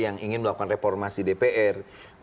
yang ingin melakukan reformasi dpr